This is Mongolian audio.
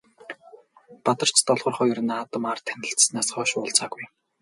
Бадарч Долгор хоёр наадмаар танилцсанаас хойш уулзаагүй.